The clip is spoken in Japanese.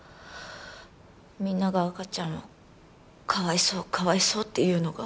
みんなが赤ちゃんをかわいそうかわいそうって言うのが。